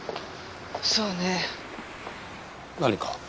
そうね。何か？